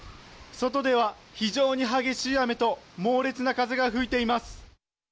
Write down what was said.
外では非常に激しい雨と猛烈な風が吹いています。